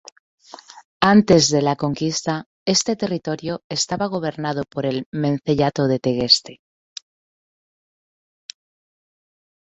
Antes de la conquista, este territorio estaba gobernado por el menceyato de Tegueste...